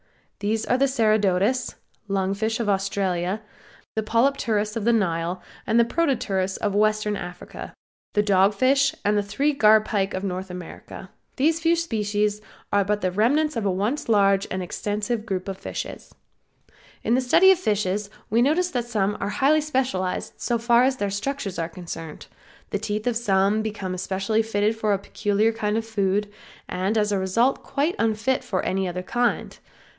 These are the Ceratodus, lung fish of Australia; the Polypterus of the Nile, the Protopterus of Western Africa, the Dogfish and the three Garpike of North America. These few species are but the remnants of a once large and extensive group of fishes. In the study of fishes we notice that some are highly specialized so far as their structures are concerned; the teeth of some become especially fitted for a peculiar kind of food, and as a result quite unfit for any other kind.